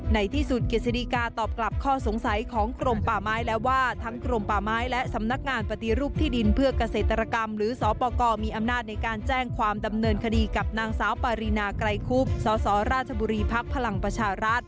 ในที่สุดกฤษฎิกาตอบกลับข้อสงสัยของกรมป่าไม้แล้วว่าทั้งกรมป่าไม้และสำนักงานปฏิรูปที่ดินเพื่อเกษตรกรรมหรือสปกรมีอำนาจในการแจ้งความดำเนินคดีกับนางสาวปารีนาไกรคุบสสราชบุรีภักดิ์พลังประชารัฐ